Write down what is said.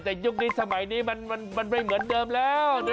แต่ยุคนี้สมัยนี้มันไม่เหมือนเดิมแล้ว